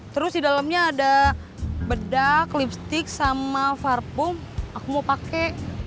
terus di dalamnya ada bedak lipstick sama farbum aku mau pakai